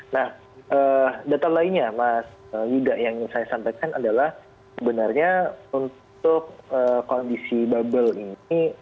nah data lainnya mas yuda yang ingin saya sampaikan adalah sebenarnya untuk kondisi bubble ini